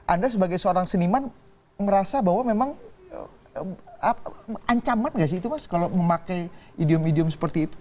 anda sebagai seorang seniman merasa bahwa memang ancaman gak sih itu mas kalau memakai idiom idiom seperti itu